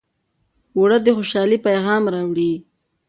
اوړه د خوشحالۍ پیغام راوړي